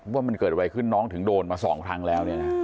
ว่ามันเกิดอะไรขึ้นน้องถึงโดนมา๒ครั้งแล้วเนี่ยนะ